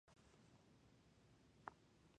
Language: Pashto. دوی کولای سي چې د هغې په څېر وي.